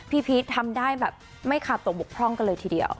พีชทำได้แบบไม่ขาดตกบกพร่องกันเลยทีเดียว